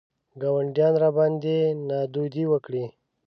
ګاونډیانو راباندې نادودې وکړې.